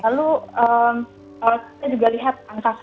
lalu kita juga lihat angka kasus